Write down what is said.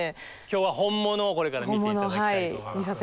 今日は本物をこれから見て頂きたいと思います。